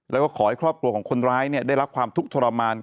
แล้วก็ขอให้ครอบครัวของคนร้ายได้รับความทุกข์ทรมาน